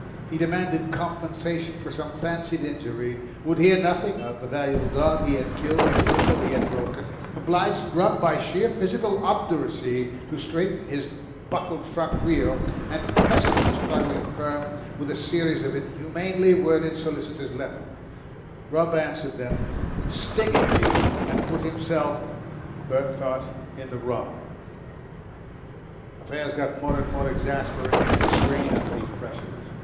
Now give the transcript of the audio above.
He demanded compensation for some fancied injury, would hear nothing of the valuable dog he had killed or the window he had broken, obliged Grubb by sheer physical obduracy to straighten his buckled front wheel, and pestered the struggling firm with a series of inhumanly worded solicitor's letters. Grubb answered them stingingly, and put himself, Bert thought, in the wrong. Affairs got more and more exasperating and strained under these pressures.